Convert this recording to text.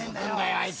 あいつ。